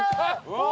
うわ！